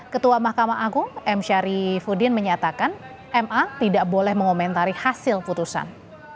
dua ribu dua puluh empat ketua mahkamah agung m syari fudin menyatakan ma tidak boleh mengomentari hasil putusan